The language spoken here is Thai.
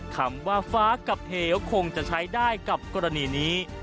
คำว่าฟ้ากับเหวคงจะใช้ได้กับกรณีนี้